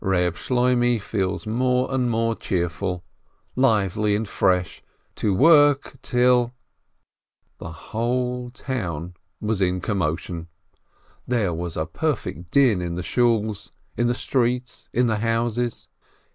Reb Shloimeh feels more and more cheerful, lively, and fresh — to work to work — till— The whole town was in commotion. There was a perfect din in the Shools, in the streets, in the houses.